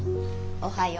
おはよう。